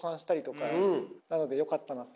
なのでよかったなって。